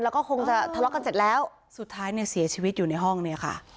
แล้วก็คงจะทะเลาะกันเสร็จแล้วสุดท้ายเนี่ยเสียชีวิตอยู่ในห้องเนี่ยค่ะ